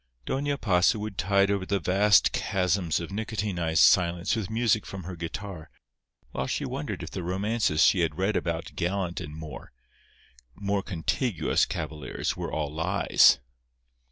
Doña Pasa would tide over the vast chasms of nicotinized silence with music from her guitar, while she wondered if the romances she had read about gallant and more—more contiguous cavaliers were all lies.